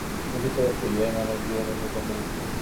প্রকৃতপক্ষে ইহাই মানব-জীবনের প্রচণ্ড বিস্ময়।